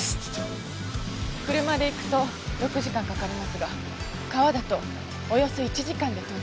車で行くと６時間かかりますが川だとおよそ１時間で到着するんです。